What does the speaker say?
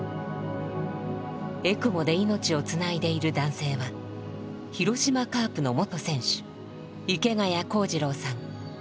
エクモで命をつないでいる男性は広島カープの元選手池谷公二郎さん。